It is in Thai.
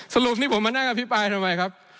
สรุปนี่ผมมานั่งอภิปรายทำไมครับ